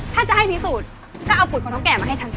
ถ้าจะให้พิสูจน์ก็เอาปุ่นของท้องแกมาให้ฉันสิ